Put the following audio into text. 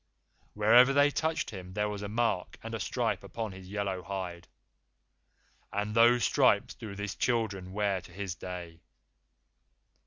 Wherever they touched him there was a mark and a stripe upon his yellow hide. AND THOSE STRIPES DO THIS CHILDREN WEAR TO THIS DAY!